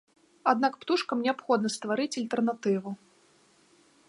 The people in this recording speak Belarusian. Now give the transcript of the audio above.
Аднак птушкам неабходна стварыць альтэрнатыву.